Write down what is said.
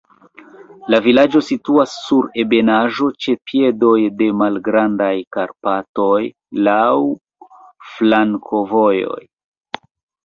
La vilaĝo situas sur ebenaĵo ĉe piedoj de Malgrandaj Karpatoj, laŭ flankovojoj.